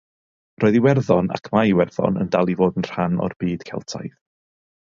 Roedd Iwerddon, ac mae Iwerddon yn dal i fod yn rhan o'r byd Celtaidd.